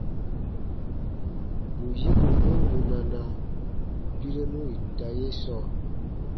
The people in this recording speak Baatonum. Bù yiko be wunana birenu ita ye sɔɔ.